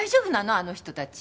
あの人たち。